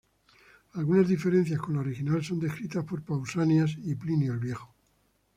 Algunas diferencias con la original son descritas por Pausanias y Plinio el Viejo.